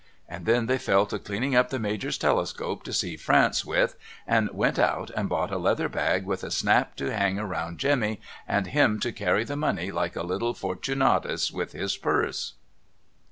And then they fell to cleaning up the Major's telescope to see France with, and went out and bought a leather bag with a snap to hang round Jemmy, and him to carry the money like a little Fortunatus with his purse.